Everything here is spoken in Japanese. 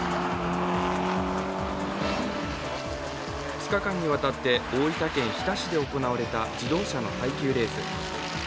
２日間にわたって大分県日田市で行われた自動車の耐久レース。